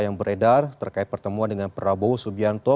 yang beredar terkait pertemuan dengan prabowo subianto